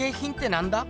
なんだ？